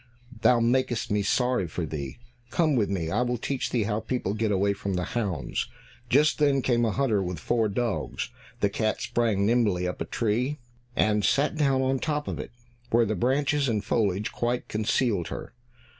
Thou makest me sorry for thee; come with me, I will teach thee how people get away from the hounds." Just then came a hunter with four dogs. The cat sprang nimbly up a tree, and sat down on top of it, where the branches and foliage quite concealed her.